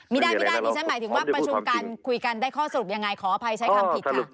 มีด้านที่ฉันหมายถึงว่าผัดชุมการคุยกันได้ข้อสรุปยังไงขอภัยใช้คำผิดค่ะ